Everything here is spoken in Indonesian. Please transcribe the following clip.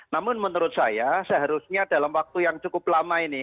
namun menurut saya seharusnya dalam waktu yang cukup lama ini